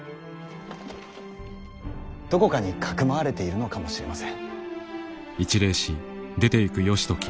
どこかに匿われているのかもしれません。